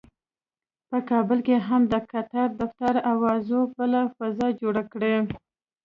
په کابل کې هم د قطر دفتر اوازو بله فضا جوړه کړې.